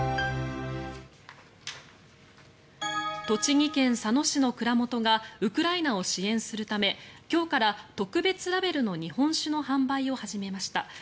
栃木県佐野市の蔵元がウクライナを支援するため今日から特別ラベルの日本酒の販売を始めました。